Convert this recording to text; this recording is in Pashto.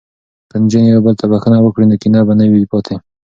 که نجونې یو بل ته بخښنه وکړي نو کینه به نه وي پاتې.